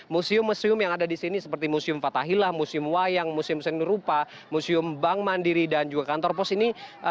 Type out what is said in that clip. museum museum yang ada di sini seperti museum fathahilah museum wayang museum seni rupa museum bank mandiri dan juga kantor pos ini